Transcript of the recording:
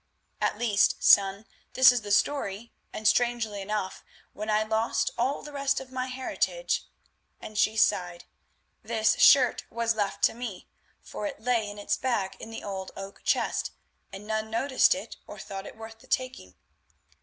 At least, son, this is the story, and, strangely enough, when I lost all the rest of my heritage—" and she sighed, "this shirt was left to me, for it lay in its bag in the old oak chest, and none noticed it or thought it worth the taking.